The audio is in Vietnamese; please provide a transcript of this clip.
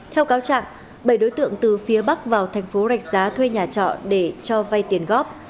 theo cáo trạng bảy đối tượng từ phía bắc vào thành phố rạch giá thuê nhà trọ để cho vay tiền góp